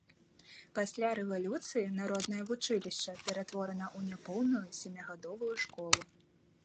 Пасля рэвалюцыі народнае вучылішча ператворана ў няпоўную сямігадовую школу.